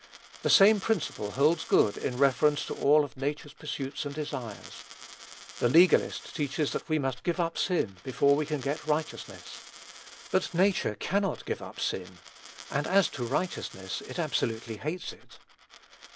The same principle holds good in reference to all of nature's pursuits and desires. The legalist teaches that we must give up sin before we can get righteousness. But nature cannot give up sin; and as to righteousness, it absolutely hates it.